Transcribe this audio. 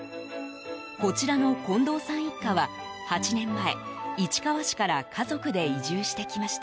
こちらの近藤さん一家は８年前市川市から家族で移住してきました。